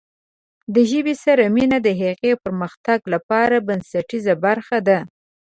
د ژبې سره مینه د هغې پرمختګ لپاره بنسټیزه برخه ده.